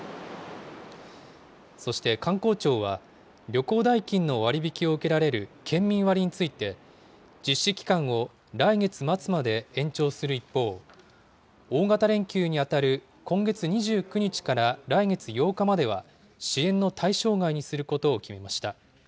そして観光庁は、旅行代金の割り引きを受けられる県民割について、実施期間を来月末まで延長する一方、大型連休に当たる今月２９日から来月８日までは、支援の対象外にすることを決めました。